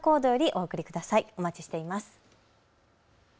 お待ちしています。